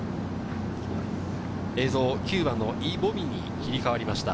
映像、９番のイ・ボミに切り替わりました。